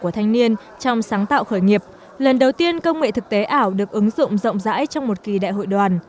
tiên công nghệ thực tế ảo được ứng dụng rộng rãi trong một kỳ đại hội đoàn